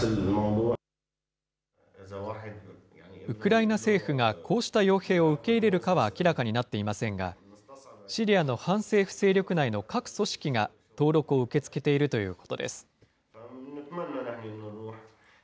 ウクライナ政府がこうしたよう兵を受け入れるかは明らかになっていませんが、シリアの反政府勢力内の各組織が、登録を受け付けているということです。